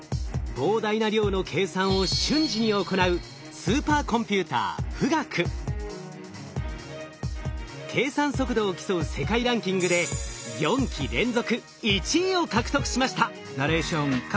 膨大な量の計算を瞬時に行う計算速度を競う世界ランキングで４期連続１位を獲得しました。